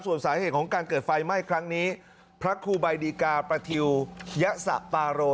ส่วนสาเหตุของการเกิดไฟไหม้ครั้งนี้พระครูใบดีกาประทิวยสะปาโร